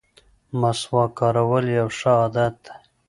مسواک کارول یو ښه عادت دی.